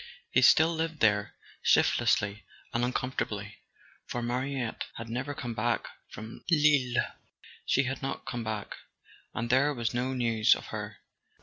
He still lived there, shiftlessly and uncom¬ fortably—for Mariette had never come back from Lille. She had not come back, and there was no news of her.